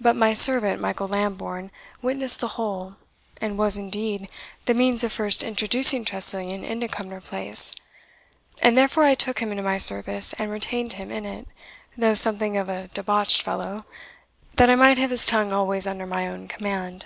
But my servant, Michael Lambourne, witnessed the whole, and was, indeed, the means of first introducing Tressilian into Cumnor Place; and therefore I took him into my service, and retained him in it, though something of a debauched fellow, that I might have his tongue always under my own command."